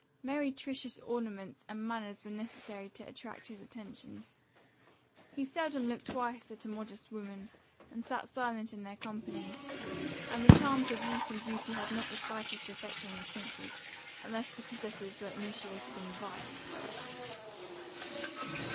Meretricious ornaments and manners were necessary to attract his attention. He seldom looked twice at a modest woman, and sat silent in their company; and the charms of youth and beauty had not the slightest effect on his senses, unless the possessors were initiated in vice.